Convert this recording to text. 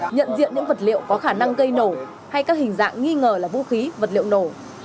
nhận diện những vật liệu có khả năng gây nổ hay các hình dạng nghi ngờ là vũ khí vật liệu nổ